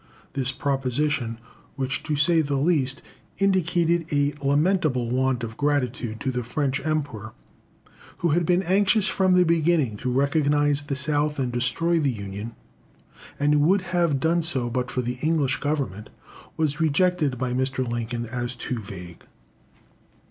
This proposition which, to say the least, indicated a lamentable want of gratitude to the French Emperor, who had been anxious from the beginning to recognise the South and destroy the Union, and who would have done so but for the English Government was rejected by Mr. Lincoln as too vague.